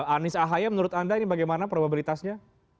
anies ahy menurut anda ini bagaimana probabilitasnya